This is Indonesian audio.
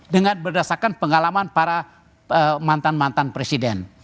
dengan berdasarkan pengalaman para mantan mantan presiden